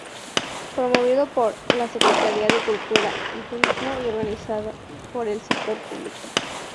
Promovido por la Secretaria de Cultura y Turismo y organizada por el sector público.